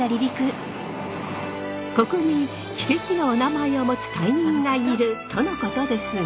ここに奇跡のおなまえを持つ隊員がいるとのことですが。